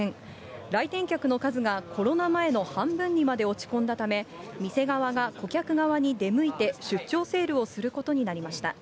来店客の数がコロナ前の半分にまで落ち込んだため、店側が顧客側に出向いて、出張セールをすることになりました。